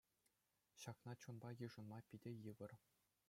Ҫакна чунпа йышӑнма питӗ йывӑр.